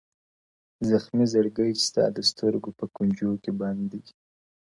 زخمي زړگی چي ستا د سترگو په کونجو کي بند دی~